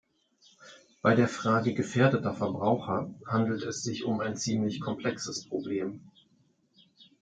Bei der Frage gefährdeter Verbraucher handelt es sich um ein ziemlich komplexes Problem.